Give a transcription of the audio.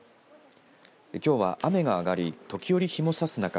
きょうは雨が上がり時折、日も差す中